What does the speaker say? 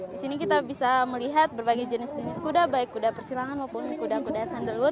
di sini kita bisa melihat berbagai jenis jenis kuda baik kuda persilangan maupun kuda kuda sandalwor